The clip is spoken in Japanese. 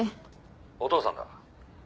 「お父さんだ」何？